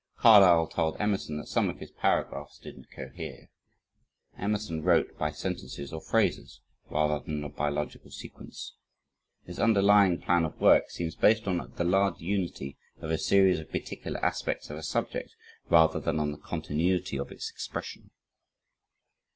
Carlyle told Emerson that some of his paragraphs didn't cohere. Emerson wrote by sentences or phrases, rather than by logical sequence. His underlying plan of work seems based on the large unity of a series of particular aspects of a subject, rather than on the continuity of its expression.